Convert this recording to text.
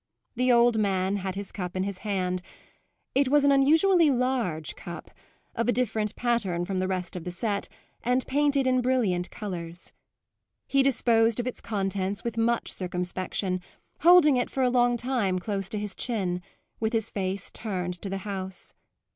The old man had his cup in his hand; it was an unusually large cup, of a different pattern from the rest of the set and painted in brilliant colours. He disposed of its contents with much circumspection, holding it for a long time close to his chin, with his face turned to the house.